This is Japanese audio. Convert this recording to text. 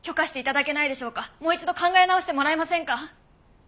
もう一度考え直してもらえませんか？